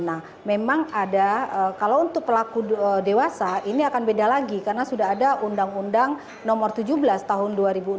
nah memang ada kalau untuk pelaku dewasa ini akan beda lagi karena sudah ada undang undang nomor tujuh belas tahun dua ribu enam belas